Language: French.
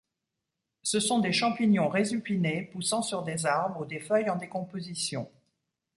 Ce sont des champignons résupinés poussant sur des arbres ou des feuilles en décomposition.